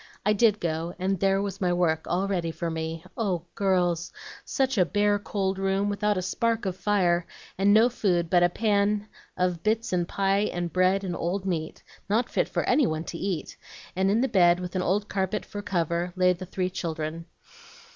I did go, and there was my work all ready for me. Oh, girls! such a bare, cold room, without a spark of fire, and no food but a pan of bits of pie and bread and meat, not fit for any one to eat, and in the bed, with an old carpet for cover, lay the three children.